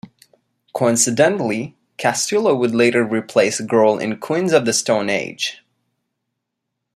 Coincidentally, Castillo would later replace Grohl in Queens of the Stone Age.